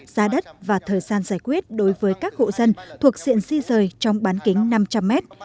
giá đất và thời gian giải quyết đối với các hộ dân thuộc diện di rời trong bán kính năm trăm linh mét